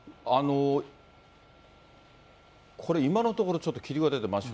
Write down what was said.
これ、今のところ、ちょっと霧が出て真っ白。